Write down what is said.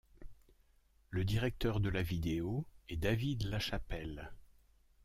Le directeur de la vidéo est David LaChapelle.